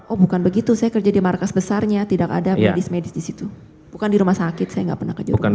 oh bukan begitu saya kerja di markas besarnya tidak ada medis medis disitu bukan di rumah sakit saya gak pernah kerja di rumah sakit